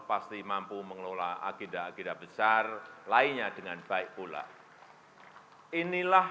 pasti mampu mengelola agenda agenda besar lainnya dengan baik pula inilah